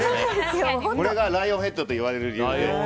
これがライオンヘッドといわれる理由で。